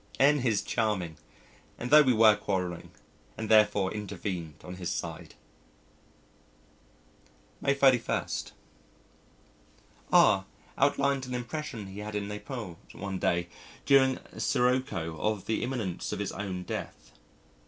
N is charming, and thought we were quarrelling, and therefore intervened on his side! May 31. R outlined an impression he had in Naples one day during a sirocco of the imminence of his own death.